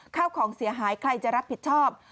ข้าวของเสียหายใครจะรับผิดชอบ